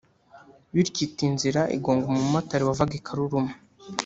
bityo ita inzira igonga umumotari wavaga i Karuruma